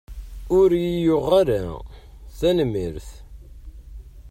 Ur iyi-yuɣ ara, tanemmirt.